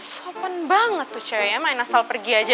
sopen banget tuh cewek ya main asal pergi aja